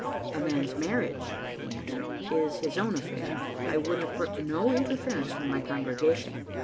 " A man's marriage," he answered, " is his own affair. I would have brooked no interference from my congre gation."